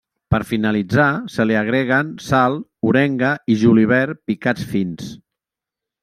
Per finalitzar se li agreguen sal, orenga i julivert picats fins.